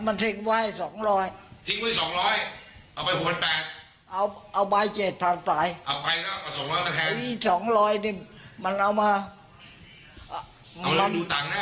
มันทิ้งไว้สองร้อยทิ้งไว้สองร้อยเอาไปหัวแปด